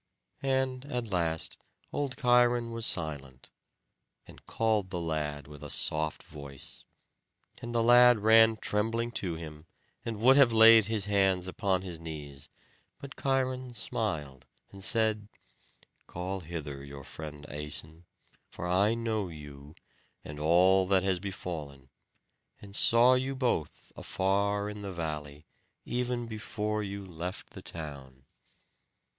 And at the last old Cheiron was silent, and called the lad with a soft voice. And the lad ran trembling to him, and would have laid his hands upon his knees; but Cheiron smiled, and said, "Call hither your father Æson, for I know you, and all that has befallen, and saw you both afar in the valley, even before you left the town."